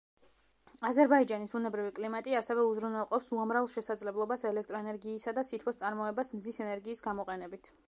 აზერბაიჯანის ბუნებრივი კლიმატი ასევე უზრუნველყოფს უამრავ შესაძლებლობას ელექტროენერგიისა და სითბოს წარმოებას მზის ენერგიის გამოყენებით.